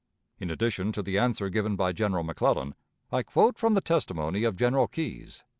In addition to the answer given by General McClellan, I quote from the testimony of General Keyes.